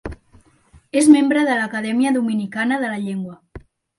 És membre de l'Acadèmia Dominicana de la Llengua.